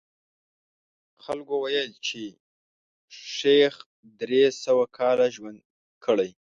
خلکو ویل چې شیخ درې سوه کاله ژوند کړی.